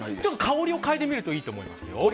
香りをかいでみるといいと思いますよ。